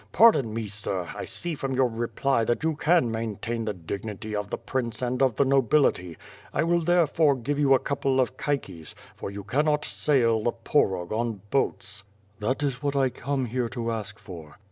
"Pardon me, sir, I see from your reply that you can maintain the dignity of the prince and of the nobility. I will therefore give you a couple of caiques, for you cannot sail, the Porog on boats." "That is what I come here to ask for."